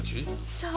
そう。